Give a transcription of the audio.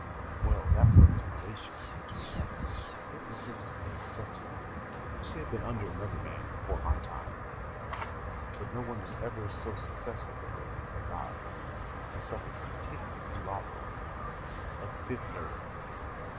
Well, that was the relation between us hypnotist and subject. She had been under another man before my time, but no one was ever so successful with her as I. She suffered from tic douloureux of the fifth nerve.